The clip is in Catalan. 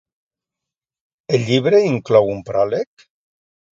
El llibre inclou un pròleg?